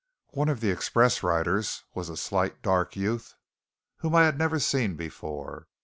One of the express riders was a slight, dark youth whom I had never seen before.